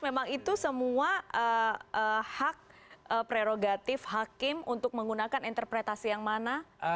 memang itu semua hak prerogatif hakim untuk menggunakan interpretasi yang mana